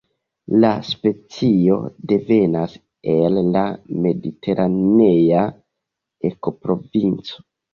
La specio devenas el la mediteranea ekoprovinco.